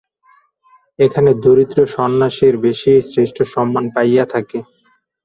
এখানে দরিদ্র সন্ন্যাসীর বেশই শ্রেষ্ঠ সম্মান পাইয়া থাকে।